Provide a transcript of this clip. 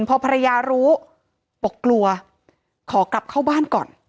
พอภรรยารู้บอกกลัวขอกลับเข้าบ้านก่อน